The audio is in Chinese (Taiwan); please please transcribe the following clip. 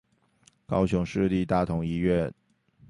高雄市立大同醫院